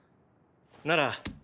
なら。